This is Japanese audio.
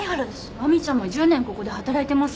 亜美ちゃんも１０年ここで働いてます。